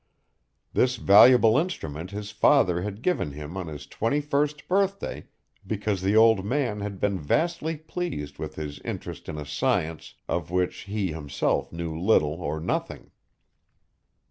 This valuable instrument his father had given him on his twenty first birthday because the old man had been vastly pleased with his interest in a science of which he himself knew little or nothing.